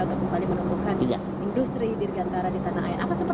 untuk kembali menumbuhkan industri dirgantara di tanah air